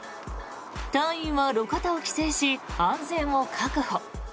隊員は路肩を規制し安全を確保。